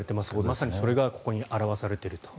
まさにそれがここに表されていると。